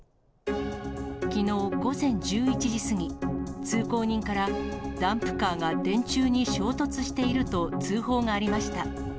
きのう午前１１時過ぎ、通行人から、ダンプカーが電柱に衝突していると通報がありました。